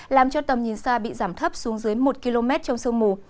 làm cho tầm nhìn xa bị giảm thấp xuống dưới một km trong sương mù